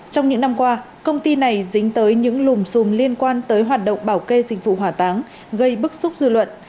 trong những năm qua công ty này dính tới những lùm xùm liên quan tới hoạt động bảo kê dịch vụ hỏa táng gây bức xúc dư luận